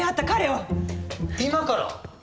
今から？